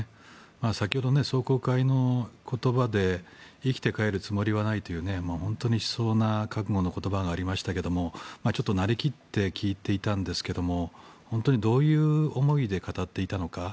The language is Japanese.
先ほど、壮行会の言葉で生きて帰るつもりはないという本当に悲壮な覚悟の言葉がありましたけれどちょっとなりきって聞いていたんですが本当にどういう思いで語っていたのか。